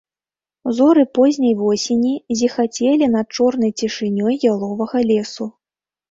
Зоры позняй восені зіхацелі над чорнай цішынёй яловага лесу.